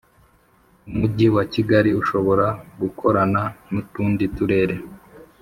umujyi wa Kigali ushobora gukorana nutundi turere.